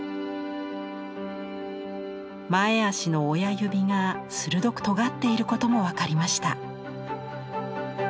前足の親指が鋭くとがっていることも分かりました。